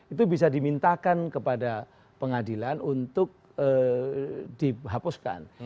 itu bisa dimintakan kepada pengadilan untuk dihapuskan